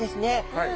はい。